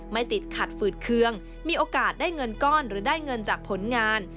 ไม่ติดขัดฝืดเคืองมีโอกาสได้เงินก้อนหรือได้เงินจากผลงาน